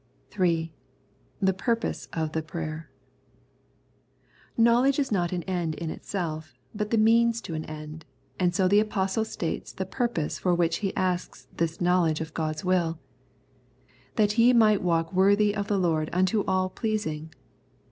3. The Purpose of the Prayer. Knowledge is not an end in itself, but the means to an end ; and so the Apostle states the purpose for which he asks this knowledge of God's will :" ^hat ye might walk worthy of the Lord unto all ^leasing